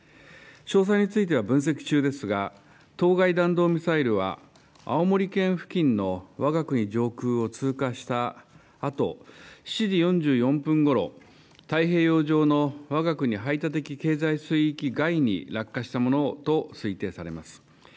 詳細については分析中ですが、当該弾道ミサイルは、青森県付近のわが国上空を通過したあと、７時４４分ごろ、太平洋上のわが国排他的経済水域外に落下したものと推定されます。